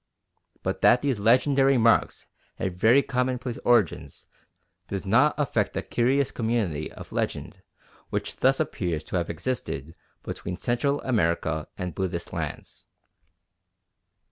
But that these legendary marks had very commonplace origins does not affect the curious community of legend which thus appears to have existed between Central America and Buddhist lands.